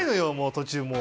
途中もう。